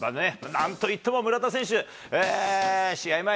なんといっても、村田選手、試合